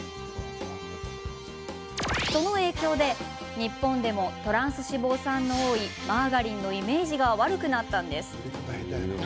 その影響で日本でもトランス脂肪酸の多いマーガリンのイメージが悪くなったんです。